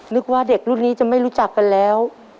นึกว่าเด็กรุ่นนี้จะไม่รู้จักกันแล้ว